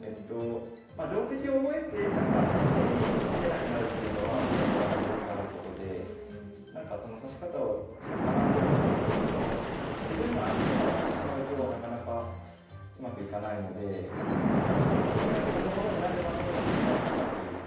定跡を覚えて一時的に勝てなくなるっていうのはプロとかでもよくあることで指し方を学んでも手順の暗記とかになってしまうとなかなかうまくいかないのでまあそれが自分のものになるまで時間かかるというか。